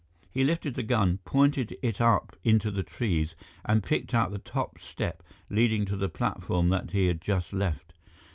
He lifted the gun, pointed it up into the trees and picked out the top step leading to the platform that he had just left.